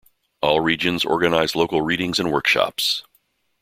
All regions organize local readings and workshops.